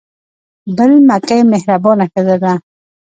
بل مکۍ مهربانه ښځه ده.